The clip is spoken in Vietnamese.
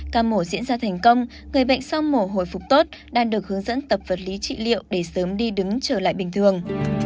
ca mổ diễn ra thành công người bệnh sau mổ hồi phục tốt đang được hướng dẫn tập vật lý trị liệu để sớm đi đứng trở lại bình thường